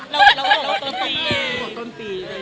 แล้วต้นปี